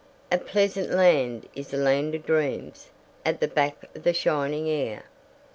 A pleasant land is the land of dreams At the back of the shining air!